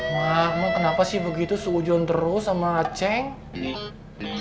mak emak kenapa sih begitu seujun terus sama aceh